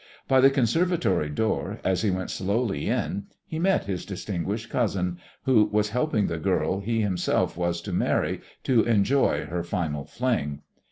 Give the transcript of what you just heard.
By the conservatory door, as he went slowly in, he met his distinguished cousin who was helping the girl he himself was to marry to enjoy her "final fling."